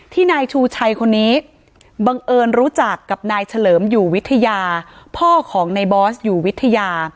นายชูชัยคนนี้บังเอิญรู้จักกับนายเฉลิมอยู่วิทยาพ่อของในบอสอยู่วิทยา